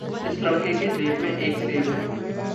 इस लड़के के जेब में एक सेव है।